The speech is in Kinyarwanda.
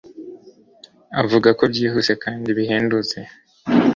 Avuga ko byihuse kandi bihendutse